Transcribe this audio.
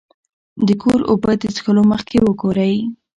د کور اوبه د څښلو مخکې وګورئ.